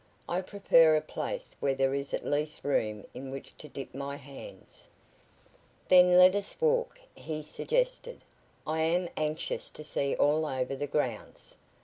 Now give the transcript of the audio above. I prefer a place where there is at least room in which to dip my hands." "Then let us walk," he suggested. "I am anxious to see all over the grounds.